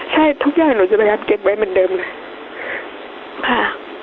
ใช่ทุกอย่างหนูจะพยายามเก็บไว้เหมือนเดิมเลยค่ะ